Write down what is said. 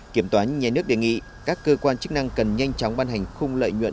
kiểm toán nhà nước đề nghị các cơ quan chức năng cần nhanh chóng ban hành khung lợi nhuận